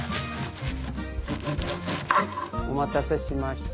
お待たせしました。